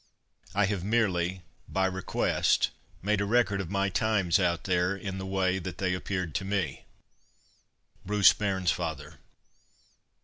I have merely, by request, made a record of my times out there, in the way that they appeared to me_. BRUCE BAIRNSFATHER.